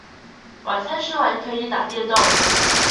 晚餐吃完可以打電動了